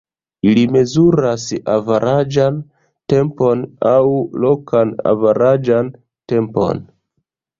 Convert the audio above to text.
Ili mezuras averaĝan tempon aŭ "lokan averaĝan tempon".